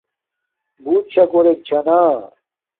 بوت شا گھورک چھانا